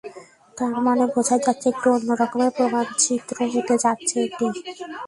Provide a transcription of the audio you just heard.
তার মানে বোঝা-ই যাচ্ছে, একটু অন্য রকমের প্রামাণ্যচিত্র হতে যাচ্ছে এটি।